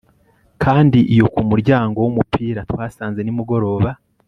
Kandi iyo ku muryango wumupira twasanze nimugoroba